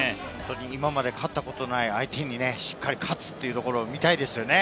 今まで勝ったことのない相手にしっかり勝つところを見たいですよね。